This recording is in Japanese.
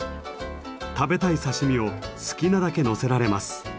食べたい刺身を好きなだけのせられます。